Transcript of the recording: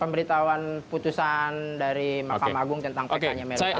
pemberitahuan putusan dari mahkamah agung tentang pk nya melepas